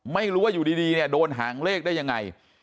ไม่รู้ว่าอยู่ดีเนี่ยโดนหางเลขได้ยังไง